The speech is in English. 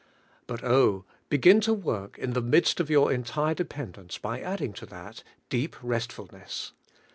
But oh! begin to work in the midst of yonr entire dependence by add Ins to that, deep res'tfulnesE.